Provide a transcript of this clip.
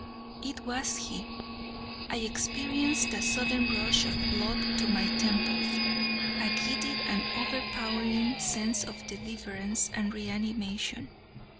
It was he. I experienced a sudden rush of blood to my temples—a giddy and overpowering sense of deliverance and reanimation.